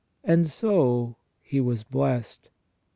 And so he was blessed.